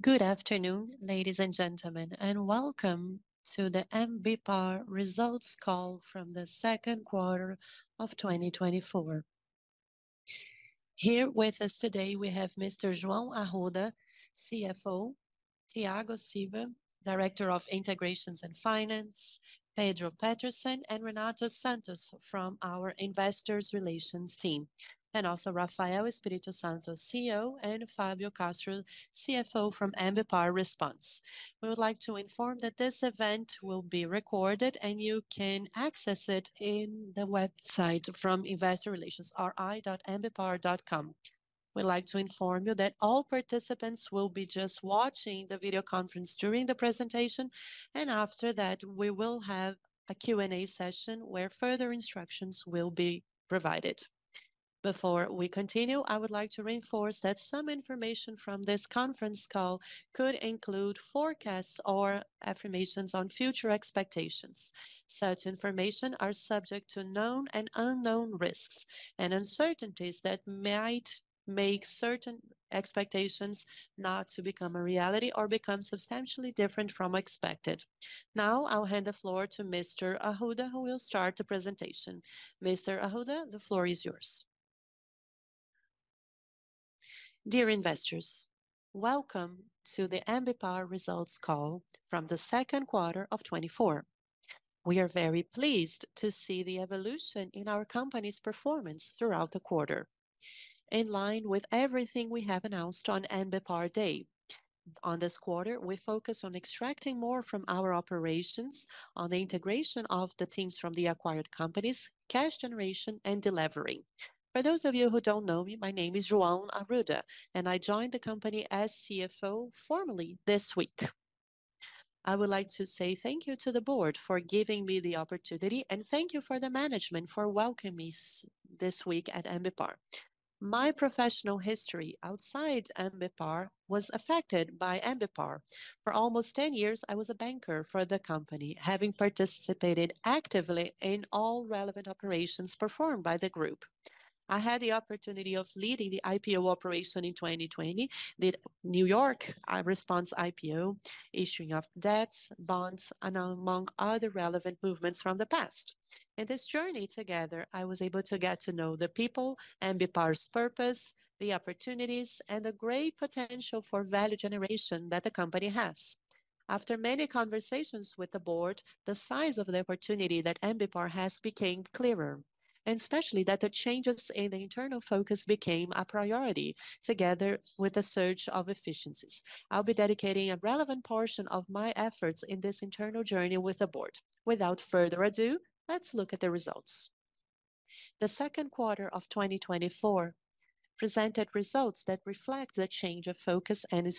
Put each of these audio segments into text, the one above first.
Good afternoon, ladies and gentlemen, and welcome to the Ambipar Results Call from the second quarter of 2024. Here with us today, we have Mr. João Arruda, CFO, Thiago Silva, Director of Integrations and Finance, Pedro Petersen and Renato Santos from our Investor Relations team, and also Rafael Espírito Santo, CEO, and Fábio Castro, CFO from Ambipar Response. We would like to inform that this event will be recorded, and you can access it in the website from Investor Relations, ri.ambipar.com. We'd like to inform you that all participants will be just watching the video conference during the presentation, and after that, we will have a Q&A session, where further instructions will be provided. Before we continue, I would like to reinforce that some information from this conference call could include forecasts or affirmations on future expectations. Such information are subject to known and unknown risks and uncertainties that might make certain expectations not to become a reality or become substantially different from expected. Now, I'll hand the floor to Mr. Arruda, who will start the presentation. Mr. Arruda, the floor is yours. Dear investors, welcome to the Ambipar Results Call from the second quarter of 2024. We are very pleased to see the evolution in our company's performance throughout the quarter. In line with everything we have announced on Ambipar Day, on this quarter, we focus on extracting more from our operations on the integration of the teams from the acquired companies, cash generation, and delivering. For those of you who don't know me, my name is João Arruda, and I joined the company as CFO formally this week. I would like to say thank you to the board for giving me the opportunity, and thank you to the management for welcoming me this week at Ambipar. My professional history outside Ambipar was affected by Ambipar. For almost 10 years, I was a banker for the company, having participated actively in all relevant operations performed by the group. I had the opportunity of leading the IPO operation in 2020, the New York Response IPO, issuing of debts, bonds, and among other relevant movements from the past. In this journey together, I was able to get to know the people, Ambipar's purpose, the opportunities, and the great potential for value generation that the company has. After many conversations with the board, the size of the opportunity that Ambipar has became clearer, and especially that the changes in the internal focus became a priority, together with the search of efficiencies. I'll be dedicating a relevant portion of my efforts in this internal journey with the board. Without further ado, let's look at the results. The second quarter of 2024 presented results that reflect the change of focus and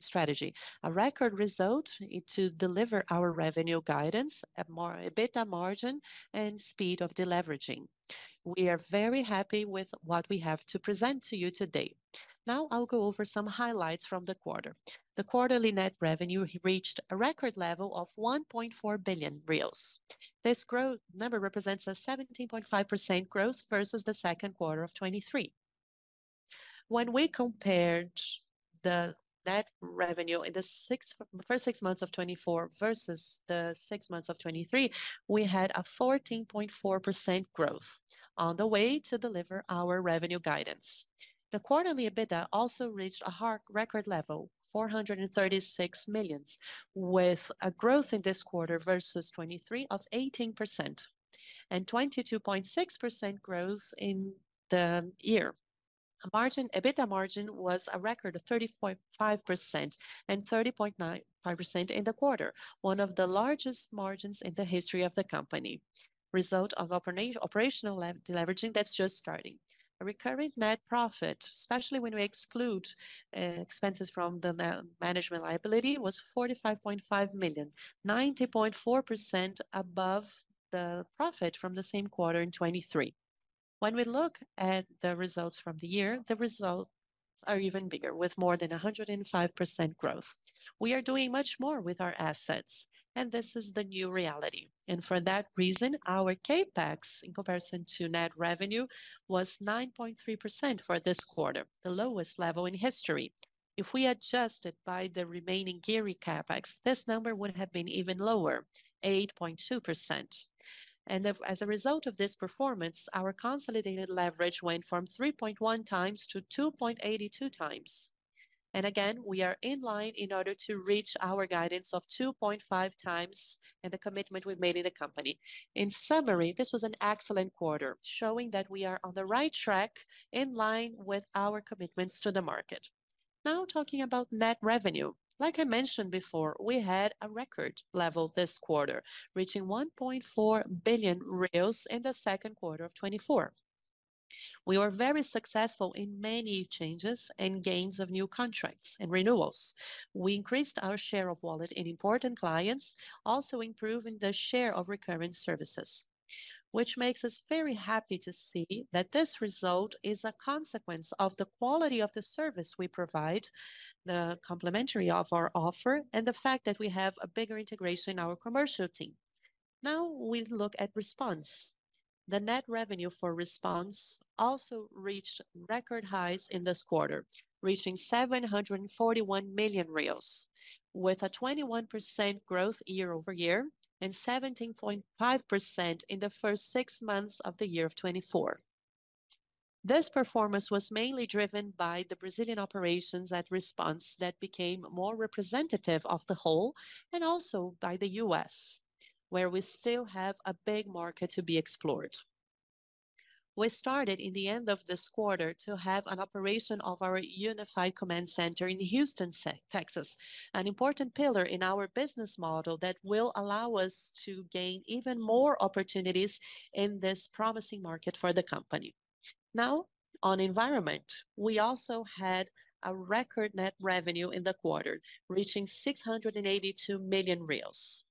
strategy. A record result to deliver our revenue guidance at more EBITDA margin and speed of deleveraging. We are very happy with what we have to present to you today. Now, I'll go over some highlights from the quarter. The quarterly net revenue reached a record level of 1.4 billion. This growth number represents a 17.5% growth versus the second quarter of 2023. When we compared the net revenue in the first six months of 2024 versus the six months of 2023, we had a 14.4% growth on the way to deliver our revenue guidance. The quarterly EBITDA also reached a record level, 436 million, with a growth in this quarter versus 2023 of 18% and 22.6% growth in the year. EBITDA margin was a record of 30.5% and 30.95% in the quarter, one of the largest margins in the history of the company. Result of operational deleveraging that's just starting. A recurring net profit, especially when we exclude expenses from the management liability, was 45.5 million, 90.4% above the profit from the same quarter in 2023. When we look at the results from the year, the results are even bigger, with more than 105% growth. We are doing much more with our assets, and this is the new reality. For that reason, our CapEx, in comparison to net revenue, was 9.3% for this quarter, the lowest level in history. If we adjusted by the remaining GIRI CapEx, this number would have been even lower, 8.2%. As a result of this performance, our consolidated leverage went from 3.1x to 2.82x. Again, we are in line in order to reach our guidance of 2.5x and the commitment we've made in the company. In summary, this was an excellent quarter, showing that we are on the right track, in line with our commitments to the market. Now, talking about net revenue. Like I mentioned before, we had a record level this quarter, reaching 1.4 billion reais in the second quarter of 2024. We were very successful in many changes and gains of new contracts and renewals. We increased our share of wallet in important clients, also improving the share of recurring services, which makes us very happy to see that this result is a consequence of the quality of the service we provide, the complementary of our offer, and the fact that we have a bigger integration in our commercial team. Now we look at Response. The net revenue for Response also reached record highs in this quarter, reaching 741 million reais, with a 21% growth year-over-year, and 17.5% in the first six months of the year of 2024. This performance was mainly driven by the Brazilian operations at Response that became more representative of the whole, and also by the U.S., where we still have a big market to be explored. We started in the end of this quarter to have an operation of our unified command center in Houston, Texas, an important pillar in our business model that will allow us to gain even more opportunities in this promising market for the company. Now, on environment, we also had a record net revenue in the quarter, reaching 682 million reais,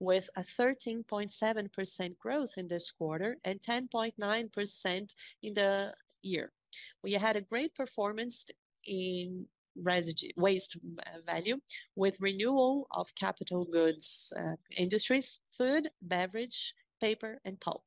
with a 13.7% growth in this quarter and 10.9% in the year. We had a great performance in waste value, with renewal of capital goods, industries, food, beverage, paper and pulp.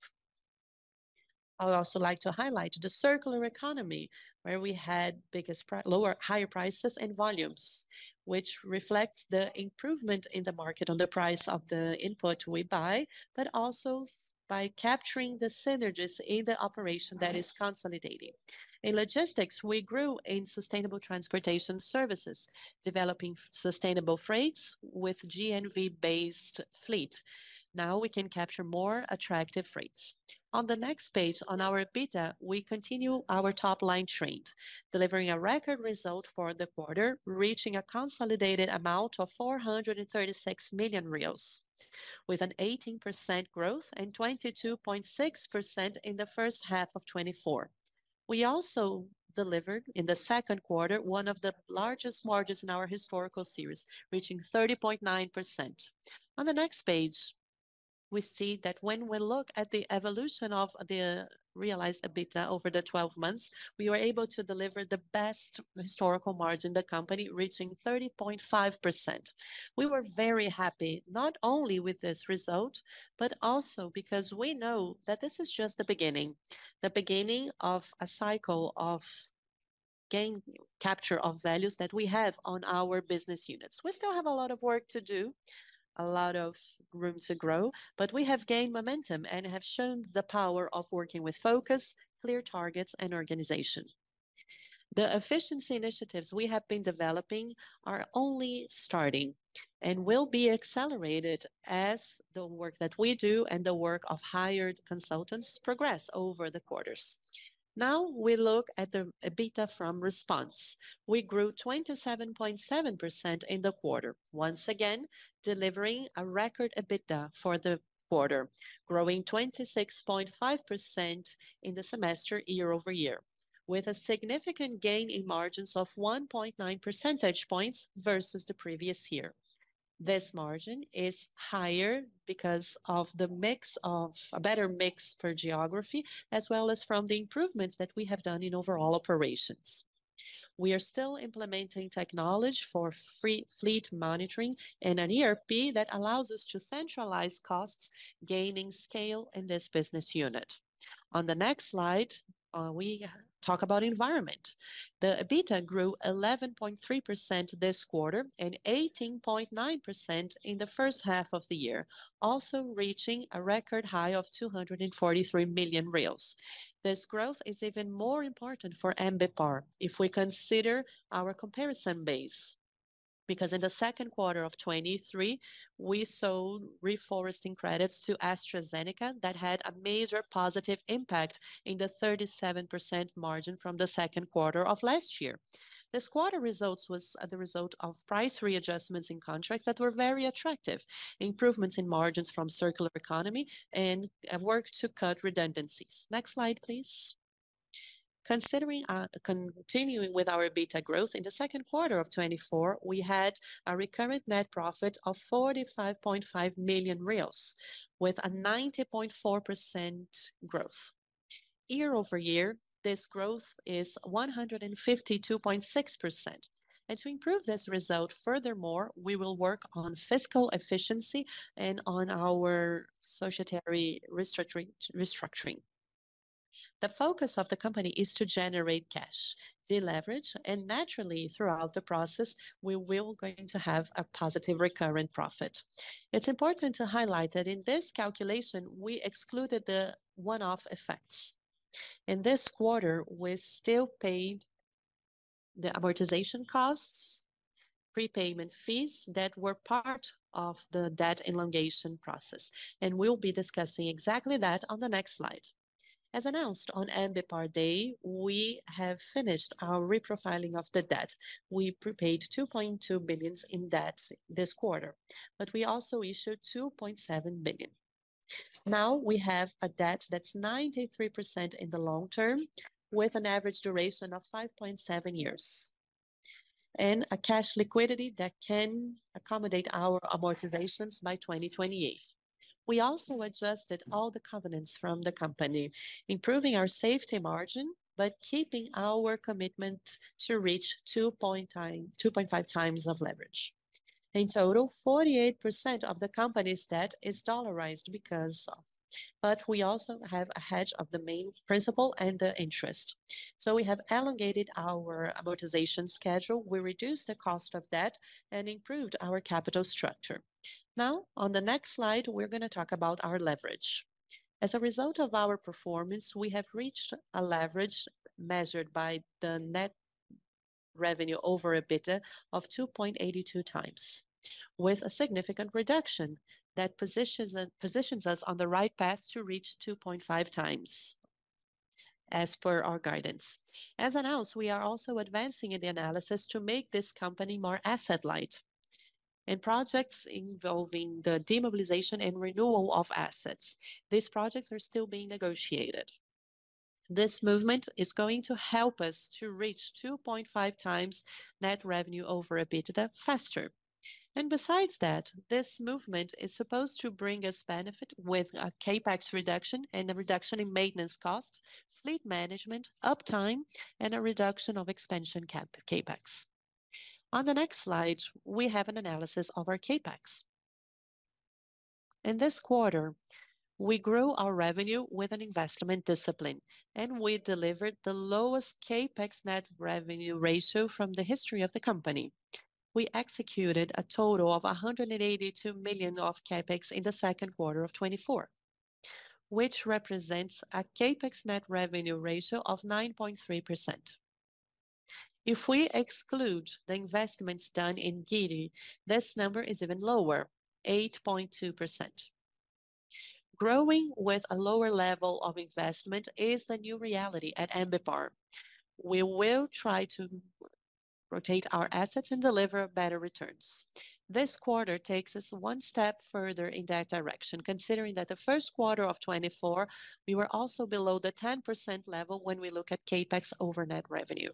I would also like to highlight the Circular Economy, where we had higher prices and volumes, which reflects the improvement in the market on the price of the input we buy, but also by capturing the synergies in the operation that is consolidating. In logistics, we grew in sustainable transportation services, developing sustainable freights with GNV-based fleet. Now we can capture more attractive freights. On the next page, on our EBITDA, we continue our top-line trend, delivering a record result for the quarter, reaching a consolidated amount of 436 million reais, with an 18% growth and 22.6% in the first half of 2024. We also delivered, in the second quarter, one of the largest margins in our historical series, reaching 30.9%. On the next page, we see that when we look at the evolution of the realized EBITDA over the 12 months, we were able to deliver the best historical margin in the company, reaching 30.5%. We were very happy, not only with this result, but also because we know that this is just the beginning, the beginning of a cycle of gain capture of values that we have on our business units. We still have a lot of work to do, a lot of room to grow, but we have gained momentum and have shown the power of working with focus, clear targets, and organization. The efficiency initiatives we have been developing are only starting and will be accelerated as the work that we do and the work of hired consultants progress over the quarters. Now, we look at the EBITDA from Response. We grew 27.7% in the quarter, once again, delivering a record EBITDA for the quarter, growing 26.5% in the semester year-over-year, with a significant gain in margins of 1.9 percentage points versus the previous year. This margin is higher because of a better mix per geography, as well as from the improvements that we have done in overall operations. We are still implementing technology for fleet monitoring and an ERP that allows us to centralize costs, gaining scale in this business unit. On the next slide, we talk about environment. The EBITDA grew 11.3% this quarter and 18.9% in the first half of the year, also reaching a record high of 243 million. This growth is even more important for Ambipar if we consider our comparison base, because in the second quarter of 2023, we sold reforestation credits to AstraZeneca that had a major positive impact in the 37% margin from the second quarter of last year. This quarter results was the result of price readjustments in contracts that were very attractive, improvements in margins from circular economy, and a work to cut redundancies. Next slide, please. Considering continuing with our EBITDA growth, in the second quarter of 2024, we had a recurrent net profit of 45.5 million reais, with a 90.4% growth. Year-over-year, this growth is 152.6%. And to improve this result, furthermore, we will work on fiscal efficiency and on our societary restructuring. The focus of the company is to generate cash, deleverage, and naturally, throughout the process, we will going to have a positive recurrent profit. It's important to highlight that in this calculation, we excluded the one-off effects. In this quarter, we still paid the amortization costs, prepayment fees that were part of the debt elongation process, and we'll be discussing exactly that on the next slide. As announced on Ambipar Day, we have finished our reprofiling of the debt. We prepaid 2.2 billion in debt this quarter, but we also issued 2.7 billion. Now, we have a debt that's 93% in the long term, with an average duration of 5.7 years, and a cash liquidity that can accommodate our amortizations by 2028. We also adjusted all the covenants from the company, improving our safety margin, but keeping our commitment to reach 2.5x of leverage. In total, 48% of the company's debt is dollarized because of. But we also have a hedge of the main principal and the interest. So we have elongated our amortization schedule. We reduced the cost of debt and improved our capital structure. Now, on the next slide, we're gonna talk about our leverage. As a result of our performance, we have reached a leverage measured by the net revenue over EBITDA of 2.82x, with a significant reduction that positions us on the right path to reach 2.5x, as per our guidance. As announced, we are also advancing in the analysis to make this company more asset light, and projects involving the demobilization and renewal of assets. These projects are still being negotiated. This movement is going to help us to reach 2.5x net revenue over EBITDA faster. And besides that, this movement is supposed to bring us benefit with a CapEx reduction and a reduction in maintenance costs, fleet management, uptime, and a reduction of expansion CapEx. On the next slide, we have an analysis of our CapEx. In this quarter, we grew our revenue with an investment discipline, and we delivered the lowest CapEx net revenue ratio from the history of the company. We executed a total of 182 million of CapEx in the second quarter of 2024, which represents a CapEx net revenue ratio of 9.3%. If we exclude the investments done in GIRI, this number is even lower, 8.2%. Growing with a lower level of investment is the new reality at Ambipar. We will try to rotate our assets and deliver better returns. This quarter takes us one step further in that direction, considering that the first quarter of 2024, we were also below the 10% level when we look at CapEx over net revenue.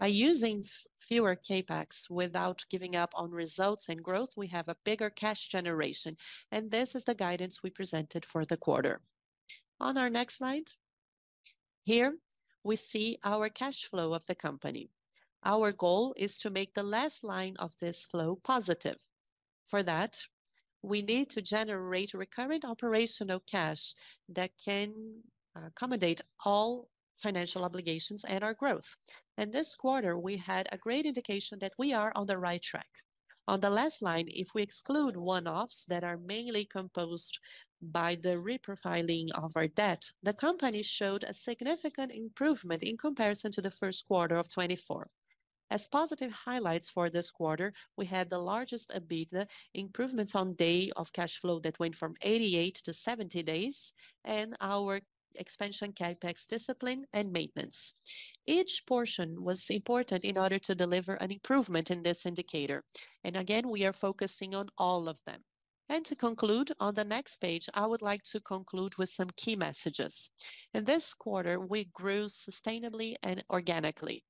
By using fewer CapEx without giving up on results and growth, we have a bigger cash generation, and this is the guidance we presented for the quarter. On our next slide, here we see our cash flow of the company. Our goal is to make the last line of this flow positive. For that, we need to generate recurring operational cash that can accommodate all financial obligations and our growth. This quarter, we had a great indication that we are on the right track. On the last line, if we exclude one-offs that are mainly composed by the reprofiling of our debt, the company showed a significant improvement in comparison to the first quarter of 2024. As positive highlights for this quarter, we had the largest EBITDA, improvements on days of cash flow that went from 88 to 70 days, and our expansion CapEx discipline and maintenance. Each portion was important in order to deliver an improvement in this indicator, and again, we are focusing on all of them. To conclude, on the next page, I would like to conclude with some key messages. In this quarter, we grew sustainably and organically.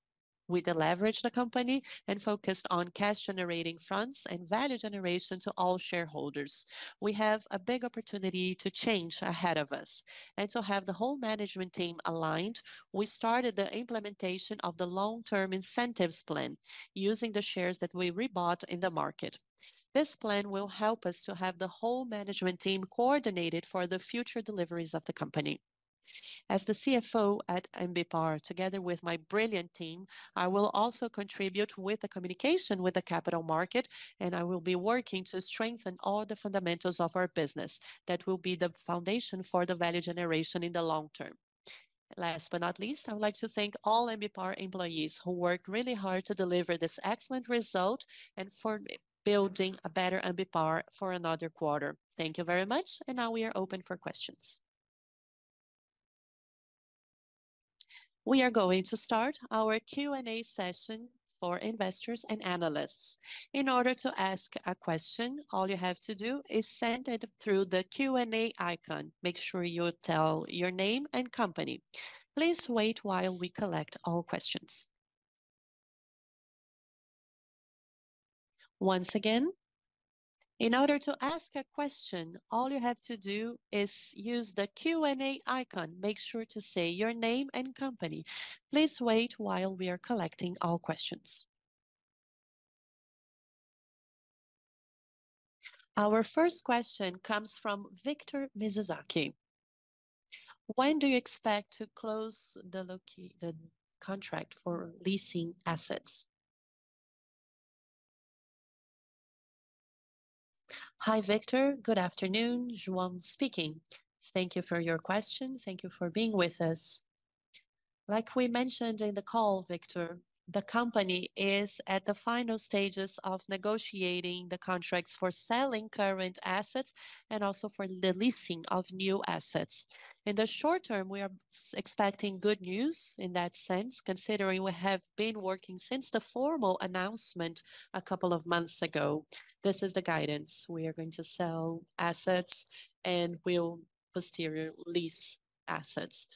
We deleveraged the company and focused on cash-generating fronts and value generation to all shareholders. We have a big opportunity to change ahead of us, and to have the whole management team aligned, we started the implementation of the long-term incentives plan using the shares that we rebought in the market. This plan will help us to have the whole management team coordinated for the future deliveries of the company. As the CFO at Ambipar, together with my brilliant team, I will also contribute with the communication with the capital market, and I will be working to strengthen all the fundamentals of our business. That will be the foundation for the value generation in the long term. Last but not least, I would like to thank all Ambipar employees who worked really hard to deliver this excellent result, and for building a better Ambipar for another quarter. Thank you very much, and now we are open for questions. We are going to start our Q&A session for investors and analysts. In order to ask a question, all you have to do is send it through the Q&A icon. Make sure you tell your name and company. Please wait while we collect all questions. Once again, in order to ask a question, all you have to do is use the Q&A icon. Make sure to say your name and company. Please wait while we are collecting all questions. Our first question comes from Victor Mizusaki. When do you expect to close the contract for leasing assets? Hi, Victor. Good afternoon, João speaking. Thank you for your question. Thank you for being with us. Like we mentioned in the call, Victor, the company is at the final stages of negotiating the contracts for selling current assets and also for the leasing of new assets. In the short term, we are expecting good news in that sense, considering we have been working since the formal announcement a couple of months ago. This is the guidance. We are going to sell assets, and we'll posterior lease assets.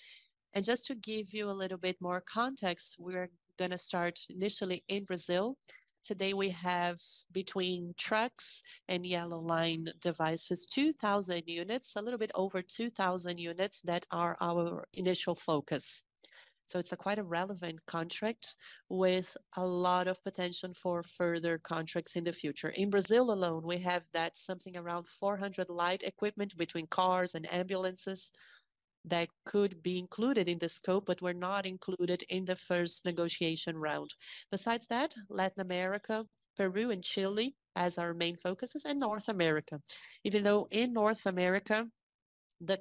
And just to give you a little bit more context, we're gonna start initially in Brazil. Today, we have between trucks and yellow-line devices, 2,000 units, a little bit over 2,000 units that are our initial focus. So it's quite a relevant contract with a lot of potential for further contracts in the future. In Brazil alone, we have that something around 400 light equipment between cars and ambulances that could be included in the scope, but were not included in the first negotiation round. Besides that, Latin America, Peru, and Chile as our main focuses, and North America. Even though in North America, the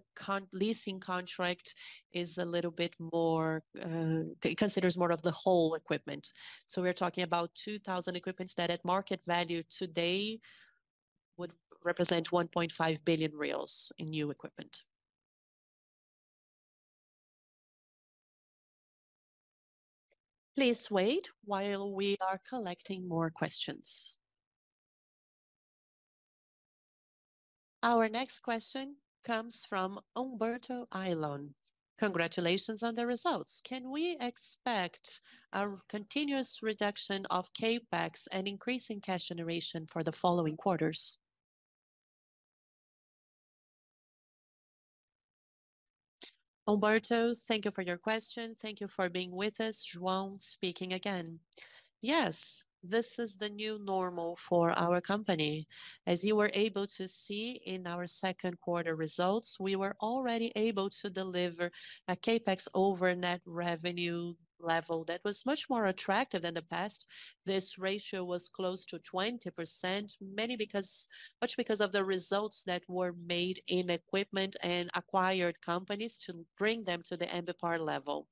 leasing contract is a little bit more, it considers more of the whole equipment. So we're talking about 2,000 equipments that at market value today would represent 1.5 billion reais in new equipment. Please wait while we are collecting more questions. Our next question comes from Humberto Aillón. Congratulations on the results. Can we expect a continuous reduction of CapEx and increase in cash generation for the following quarters? Humberto, thank you for your question. Thank you for being with us. João speaking again. Yes, this is the new normal for our company. As you were able to see in our second quarter results, we were already able to deliver a CapEx over net revenue level that was much more attractive than the past. This ratio was close to 20%, much because of the results that were made in equipment and acquired companies to bring them to the Ambipar level.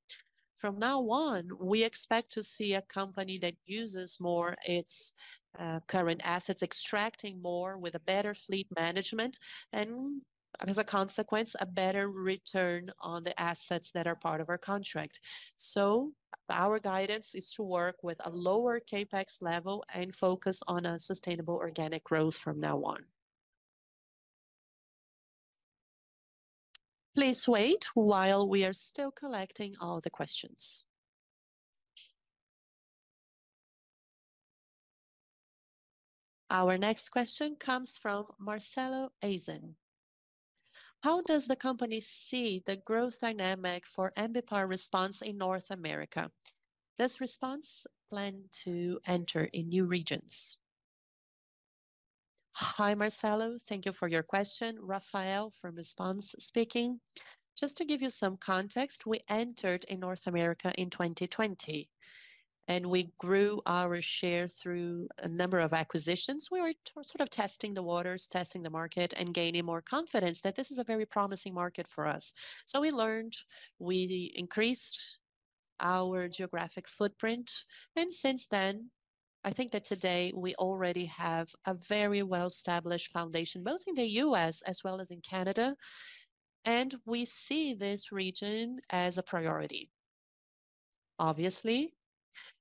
From now on, we expect to see a company that uses more its current assets, extracting more with a better fleet management, and as a consequence, a better return on the assets that are part of our contract. So our guidance is to work with a lower CapEx level and focus on a sustainable organic growth from now on. Please wait while we are still collecting all the questions. Our next question comes from Marcelo [Eisen]. How does the company see the growth dynamic for Ambipar Response in North America? Does Response plan to enter in new regions? Hi, Marcelo, thank you for your question. Rafael from Response speaking. Just to give you some context, we entered in North America in 2020, and we grew our share through a number of acquisitions. We were sort of testing the waters, testing the market, and gaining more confidence that this is a very promising market for us. So we learned, we increased our geographic footprint, and since then, I think that today we already have a very well-established foundation, both in the U.S. as well as in Canada, and we see this region as a priority. Obviously,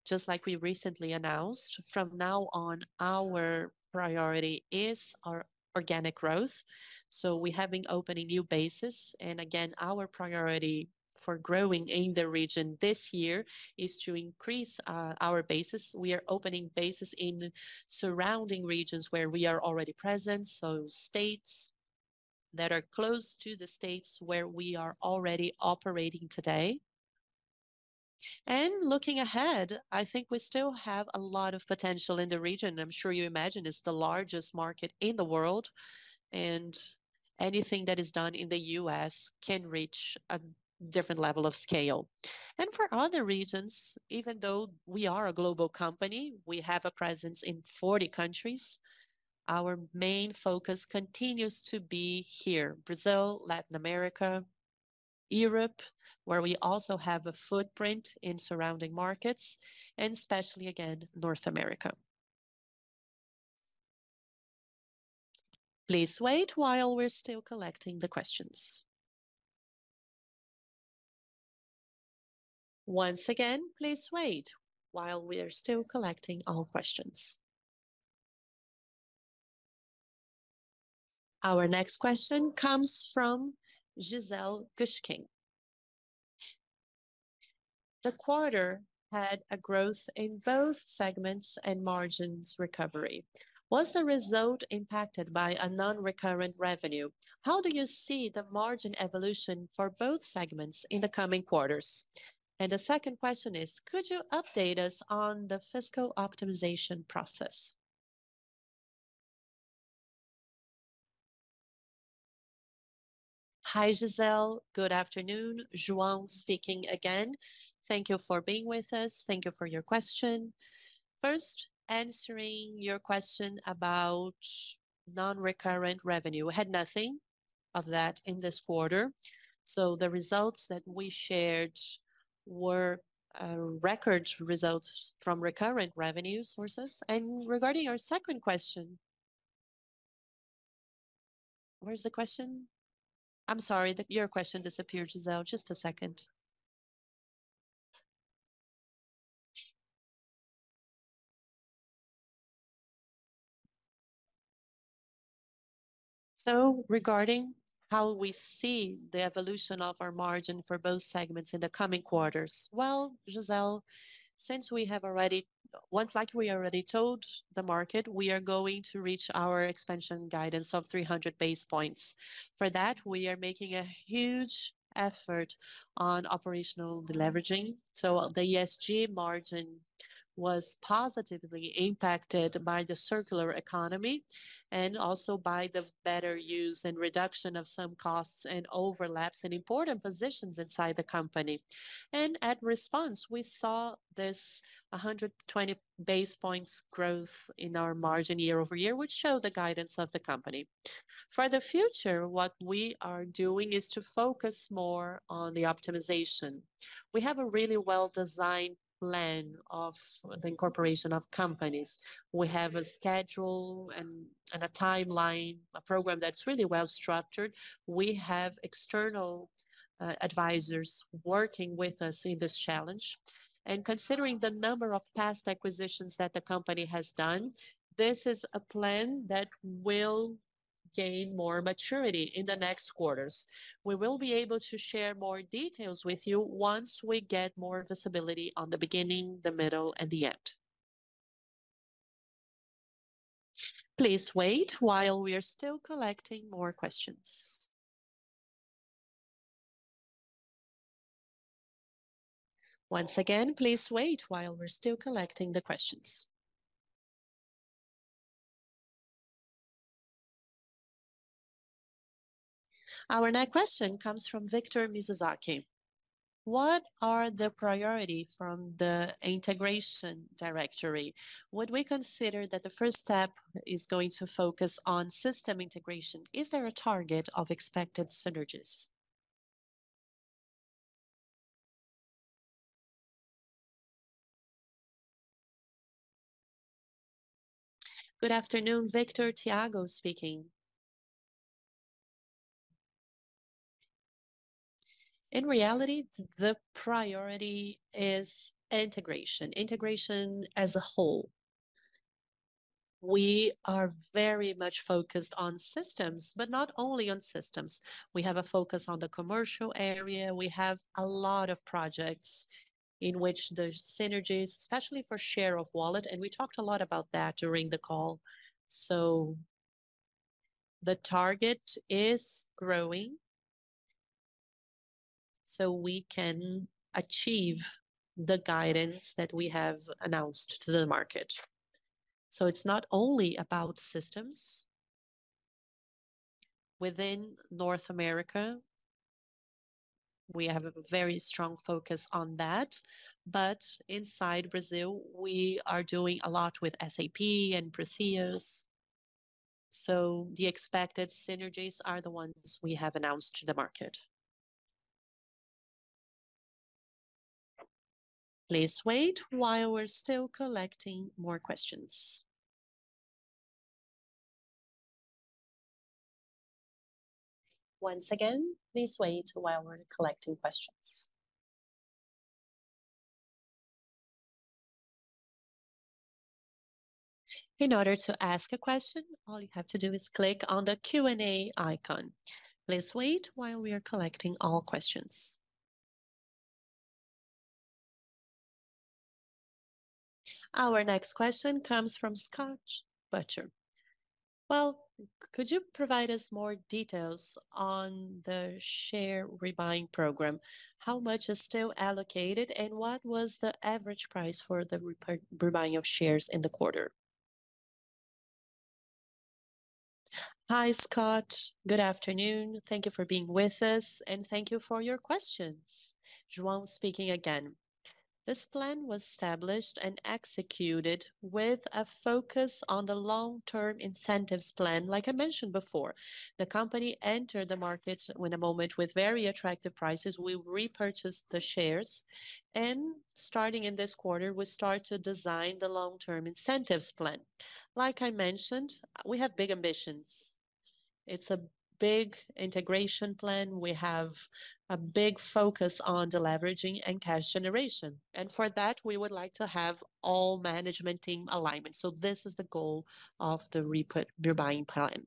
just like we recently announced, from now on, our priority is our organic growth, so we have been opening new bases. And again, our priority for growing in the region this year is to increase our bases. We are opening bases in surrounding regions where we are already present, so states that are close to the states where we are already operating today. Looking ahead, I think we still have a lot of potential in the region. I'm sure you imagine it's the largest market in the world, and anything that is done in the U.S. can reach a different level of scale. For other regions, even though we are a global company, we have a presence in 40 countries, our main focus continues to be here, Brazil, Latin America, Europe, where we also have a footprint in surrounding markets, and especially, again, North America. Please wait while we're still collecting the questions. Once again, please wait while we are still collecting all questions. Our next question comes from Gisele Gushiken. The quarter had a growth in both segments and margins recovery. Was the result impacted by a non-recurrent revenue? How do you see the margin evolution for both segments in the coming quarters? And the second question is: Could you update us on the fiscal optimization process? Hi, Gisele. Good afternoon. João speaking again. Thank you for being with us. Thank you for your question. First, answering your question about non-recurrent revenue, we had nothing of that in this quarter, so the results that we shared were record results from recurrent revenue sources. And regarding your second question... Where's the question? I'm sorry, your question disappeared, Gisele. Just a second. So regarding how we see the evolution of our margin for both segments in the coming quarters. Well, Gisele, since we have already, once, like we already told the market, we are going to reach our expansion guidance of 300 basis points. For that, we are making a huge effort on operational deleveraging. So the ESG margin was positively impacted by the Circular Economy, and also by the better use and reduction of some costs and overlaps in important positions inside the company. And at Response, we saw this 120 basis points growth in our margin year-over-year, which show the guidance of the company. For the future, what we are doing is to focus more on the optimization. We have a really well-designed plan of the incorporation of companies. We have a schedule and a timeline, a program that's really well-structured. We have external advisors working with us in this challenge. And considering the number of past acquisitions that the company has done, this is a plan that will gain more maturity in the next quarters. We will be able to share more details with you once we get more visibility on the beginning, the middle, and the end. Please wait while we are still collecting more questions. Once again, please wait while we're still collecting the questions. Our next question comes from Victor Mizusaki. What are the priority from the integration directory? Would we consider that the first step is going to focus on system integration? Is there a target of expected synergies? Good afternoon, Victor. Thiago speaking. In reality, the priority is integration, integration as a whole. We are very much focused on systems, but not only on systems. We have a focus on the commercial area, we have a lot of projects in which there's synergies, especially for share of wallet, and we talked a lot about that during the call. So the target is growing, so we can achieve the guidance that we have announced to the market. So it's not only about systems. Within North America, we have a very strong focus on that, but inside Brazil, we are doing a lot with SAP and Protheus. So the expected synergies are the ones we have announced to the market. Please wait while we're still collecting more questions. Once again, please wait while we're collecting questions. In order to ask a question, all you have to do is click on the Q&A icon. Please wait while we are collecting all questions. Our next question comes from Scott [Butcher]. Well, could you provide us more details on the share rebuying program? How much is still allocated, and what was the average price for the rebuying of shares in the quarter? Hi, Scott. Good afternoon. Thank you for being with us, and thank you for your questions. João speaking again. This plan was established and executed with a focus on the Long-Term Incentives Plan, like I mentioned before. The company entered the market with a moment with very attractive prices. We repurchased the shares, and starting in this quarter, we start to design the Long-Term Incentives Plan. Like I mentioned, we have big ambitions. It's a big integration plan. We have a big focus on deleveraging and cash generation, and for that, we would like to have all management team alignment. So this is the goal of the rebuying plan.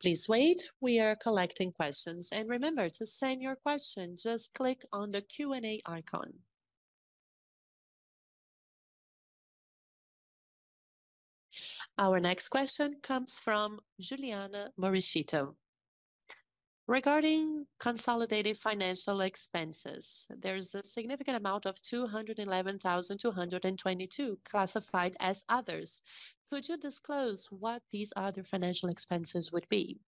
Please wait, we are collecting questions. And remember, to send your question, just click on the Q&A icon. Our next question comes from Juliana [Moresito]. Regarding consolidated financial expenses, there's a significant amount of 211,222 classified as others. Could you disclose what these other financial expenses would be?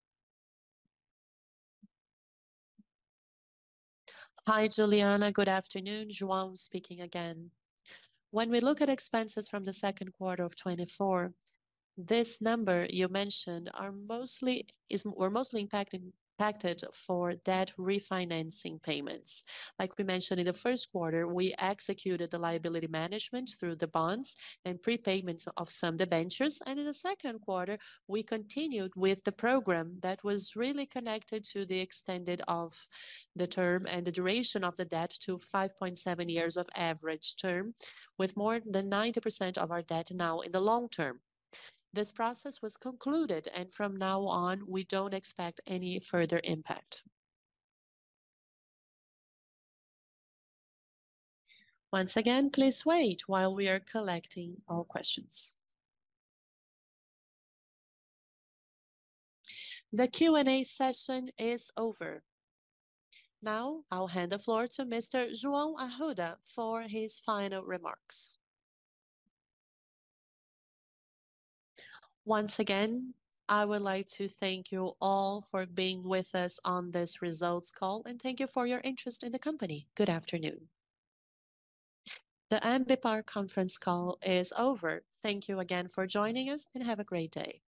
Hi, Juliana. Good afternoon. João speaking again. When we look at expenses from the second quarter of 2024, this number you mentioned was mostly impacted for debt refinancing payments. Like we mentioned in the first quarter, we executed the liability management through the bonds and prepayments of some debentures, and in the second quarter, we continued with the program that was really connected to the extended of the term and the duration of the debt to 5.7 years of average term, with more than 90% of our debt now in the long term. This process was concluded, and from now on, we don't expect any further impact. Once again, please wait while we are collecting all questions. The Q&A session is over. Now, I'll hand the floor to Mr. João Arruda for his final remarks. Once again, I would like to thank you all for being with us on this results call, and thank you for your interest in the company. Good afternoon. The Ambipar conference call is over. Thank you again for joining us, and have a great day.